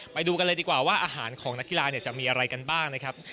ไปดูกันเลยดีกว่าว่าอาหารของนักกีฬาจะมีอะไรกันบ้างนะครับ